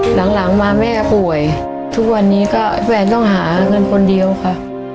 หลังมาแม่ป่วยทุกวันนี้ก็แฟนต้องหาเงินคนเดียวค่ะ